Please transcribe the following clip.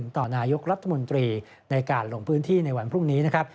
ต่อนายกรัฐมนตรีในการลงพื้นที่ในวันพรุ่งนี้นะครับ